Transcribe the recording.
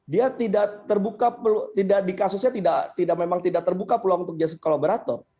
dia tidak terbuka dikasusnya memang tidak terbuka peluang untuk justice collaborator